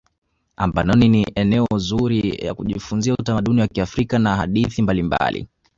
ambanoni ni ehemu nzuri ya kujifunza utamaduni wa kiafrika na hadithi mbalimbali